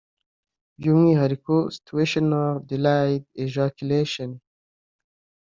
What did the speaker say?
Iby’ umwihariko (situational delayed ejaculation)